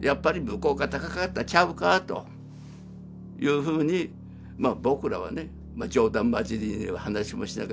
やっぱり向こうが高かったんちゃうかというふうに僕らはね冗談交じりに話もしながら。